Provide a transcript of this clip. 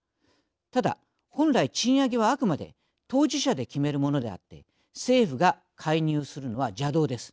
ただ本来賃上げはあくまで当事者で決めるものであって政府が介入するのは邪道です。